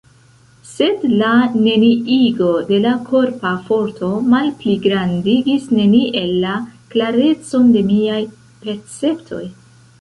Sed la neniigo de la korpa forto malpligrandigis neniel la klarecon de miaj perceptoj.